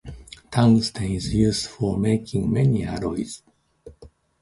Tungsten is used for making many alloys.